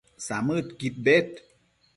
samëdquid bed